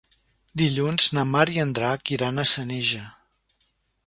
Dilluns na Mar i en Drac iran a Senija.